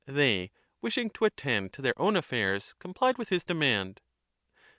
They, wishing to attend to their own affairs, complied with his demand.